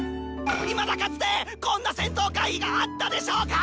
いまだかつてこんな戦闘回避があったでしょうか